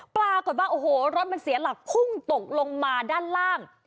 ปรากฎว่ารถมันเสียหลักคุ้งตกลงมาด้านล่าง